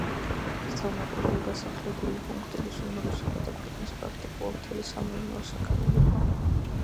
იქ თავმოყრილია დასახლებული პუნქტების უმრავლესობა და ქვეყნის პრაქტიკულად მთელი სამეურნეო საქმიანობა.